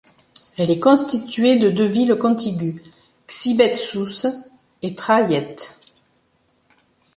Elle est constituée de deux villes contiguës, Ksibet Sousse et Thrayet.